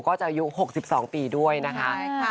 ก็จะอยู่๖๒ปีด้วยนะคะ